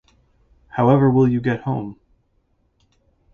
However will you get home?